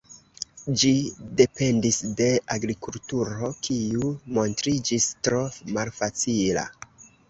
Ĝi dependis de agrikulturo, kiu montriĝis tro malfacila.